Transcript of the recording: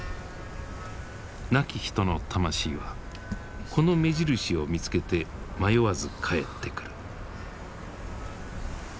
亡き人の魂はこの目印を見つけて迷わずかえってくる。